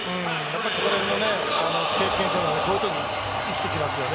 そこら辺の経験はこういうときに生きてきますよね。